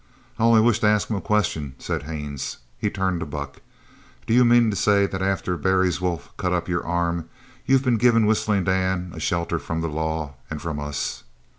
"I only wish to ask him a question," said Haines. He turned to Buck: "Do you mean to say that after Barry's wolf cut up your arm, you've been giving Whistling Dan a shelter from the law and from us?"